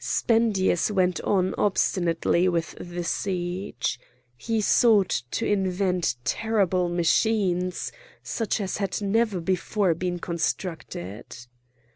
Spendius went on obstinately with the siege. He sought to invent terrible machines such as had never before been constructed.